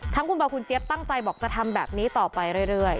คุณบอลคุณเจี๊ยบตั้งใจบอกจะทำแบบนี้ต่อไปเรื่อย